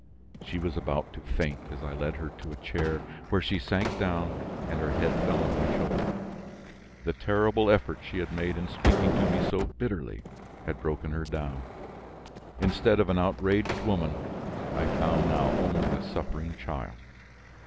She was about to faint as I led her to a chair where she sank down and her head fell on my shoulder. The terrible effort she had made in speaking to me so bitterly had broken her down. Instead of an outraged woman, I found now only a suffering child.